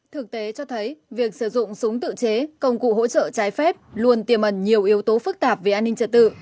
thực tế cho thấy việc sử dụng súng tự chế công cụ hỗ trợ trái phép luôn tiềm ẩn nhiều yếu tố phức tạp về an ninh trật tự